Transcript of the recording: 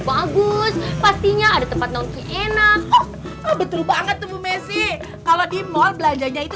bagus pastinya ada tempat nanti enak betul banget tuh mesin kalau di mal belanjanya itu